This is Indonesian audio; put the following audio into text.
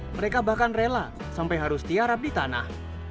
mereka bahkan rela sampai harus tiarap di tanah